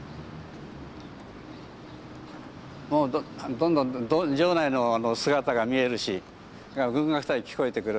もうどんどん場内の姿が見えるし軍楽隊聞こえてくる。